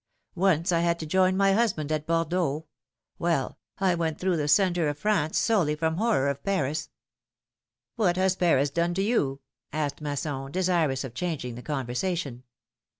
Once I had to join my husband at Bordeaux — well, I went through the centre of France solely from horror of Paris." What has Paris done to you?" asked Masson, desirous of changing the conversation.